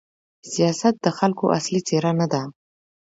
سیاست د خلکو اصلي څېره نه ده.